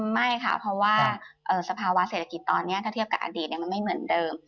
ไม่ค่ะเพราะว่าสภาวะเศรษฐกิจตอนนี้ถ้าเทียบกับอดีตมันไม่เหมือนเดิม